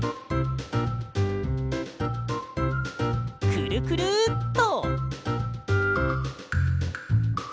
くるくるっと。